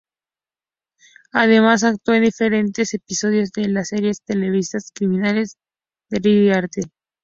Además actuó en diferentes episodios de las series televisivas criminales "Derrick" y "Der Alte".